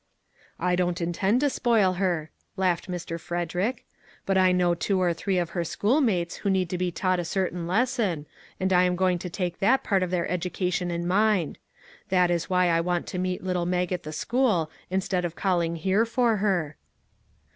"" I don't intend to spoil her," laughed Mr. Frederick, " but I know two or three of her schoolmates who need to be taught a certain lesson, and I am going to take that part of their education in hand ; that is why I want to meet little Mag at the school instead of calling here for her."